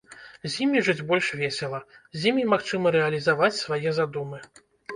З імі жыць больш весела, з імі магчыма рэалізаваць свае задумы.